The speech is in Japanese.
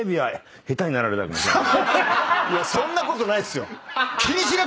そんなことないですよ。